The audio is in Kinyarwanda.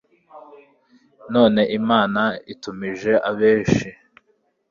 none imana itumije abeshi